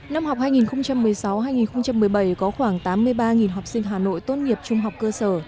năm học hai nghìn một mươi sáu hai nghìn một mươi bảy có khoảng tám mươi ba học sinh hà nội tốt nghiệp trung học cơ sở